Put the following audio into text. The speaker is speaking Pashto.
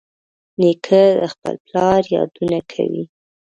نیکه د خپل پلار یادونه کوي.